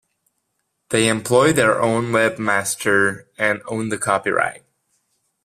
They employ their own webmaster and own the copyright.